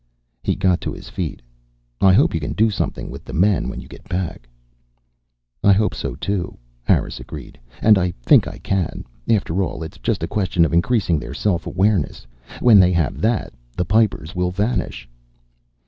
He got to his feet. "I hope you can do something with the men when you get back." "I hope so, too," Harris agreed. "And I think I can. After all, it's just a question of increasing their self awareness. When they have that the Pipers will vanish."